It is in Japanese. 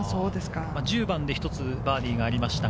１０番で１つ、バーディーがありました。